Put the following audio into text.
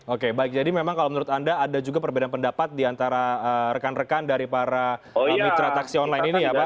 oke baik jadi memang kalau menurut anda ada juga perbedaan pendapat diantara rekan rekan dari para mitra taksi online ini ya pak